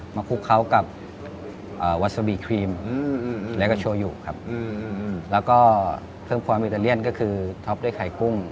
หนะคุกเขากับกลแสบออัสบีครีมอืมหรือชูโอโย่ครับแล้วก็เพิ่มความอิตาเลียนก็คือคลอบด้วยไข่กุ้ง